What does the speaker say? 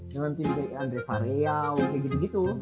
dengan tim kayak andre vareau kayak gitu gitu